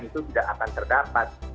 itu tidak akan terdapat